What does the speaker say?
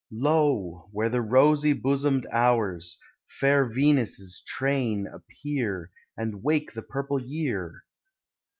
Lo! where the rosy bosomed Hours, Fair Venus' train, appear, And wake the purple year!